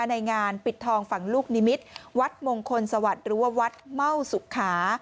ในงานปิดทองฝั่งลูกนิมิตรวัดมงคลสวัสดิ์หรือว่าวัดเม่าสุขา